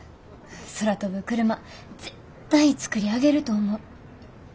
空飛ぶクルマ絶対作り上げると思う。